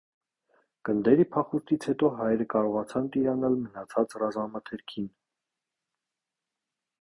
Գնդերի փախուստից հետո հայերը կարողացան տիրանալ մնացած ռազմամթերքին։